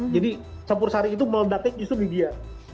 jadi campur sari itu meledaknya justru di dia